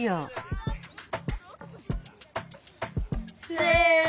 せの！